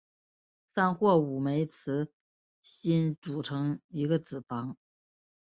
三或五枚雌蕊组成一个子房。